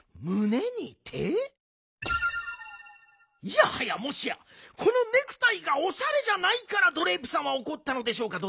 いやはやもしやこのネクタイがおしゃれじゃないからドレープさんはおこったのでしょうか？